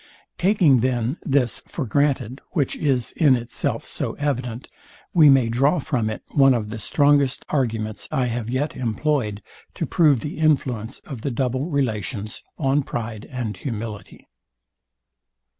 Taking then this for granted, which is in itself so evident, we may draw from it one of the strongest arguments I have yet employed to prove the influence of the double relations on pride and humility.